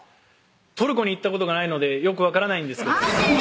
トルコに行ったことがないのでよく分からないんですけどマジで？